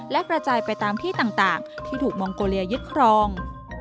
และกระจายไปตามที่ต่างที่ถูกมองโกเลียยึดครอง